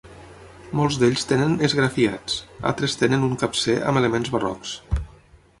Molts d'ells tenen esgrafiats, altres tenen un capcer amb elements barrocs.